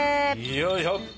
よいしょ！